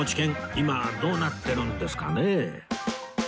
今はどうなってるんですかね？